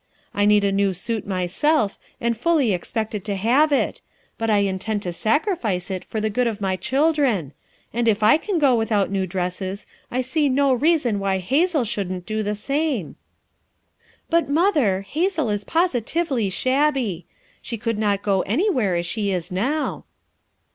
I need a new suit myself, and fully expected to have it; but I intend to sacrifice it for the good of my children; and if I can go without new dresses I see no reason why Hazel shouldn't do the same." "But, Mother, Hazel is positively shabby. She could not go anywhere as she is now."